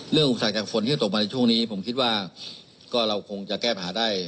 อุปสรรคจากฝนที่จะตกมาในช่วงนี้ผมคิดว่าก็เราคงจะแก้ปัญหาได้